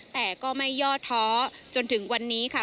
แต่ก็ไม่ย่อท้อจนถึงวันนี้ค่ะ